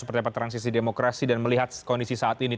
seperti apa transisi demokrasi dan melihat kondisi saat ini